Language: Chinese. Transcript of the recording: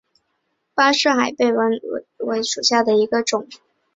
巴士海弯贝介为弯贝介科弯贝介属下的一个种。